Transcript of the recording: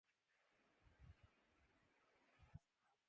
تماشا کہ اے محوِ آئینہ داری!